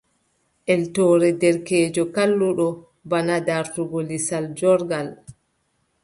Eltoore derkeejo kalluɗo bana dartungo lisal joorngal.